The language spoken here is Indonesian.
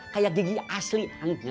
kayak gigi asli